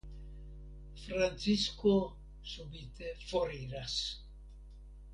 Francisko subite foriras.